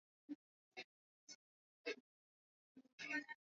Mashirika ya kijamii kwa kuwezesha majadiliano